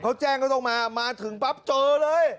เขาแจ้งก็ต้องมามาถึงปั๊บเจอเลย